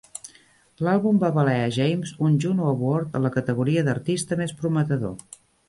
L'àlbum va valer a James un Juno Award en la categoria d'"Artista més prometedor".